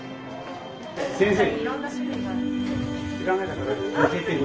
先生。